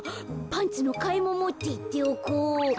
パンツのかえももっていっておこう。